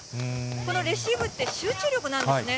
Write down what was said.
このレシーブって、集中力なんですね。